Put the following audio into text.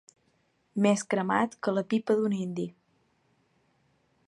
Més cremat que la pipa d'un indi.